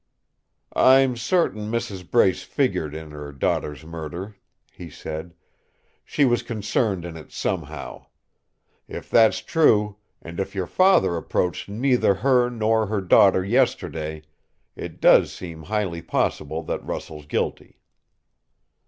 "I'm certain Mrs. Brace figured in her daughter's murder," he said. "She was concerned in it somehow. If that's true, and if your father approached neither her nor her daughter yesterday, it does seem highly possible that Russell's guilty."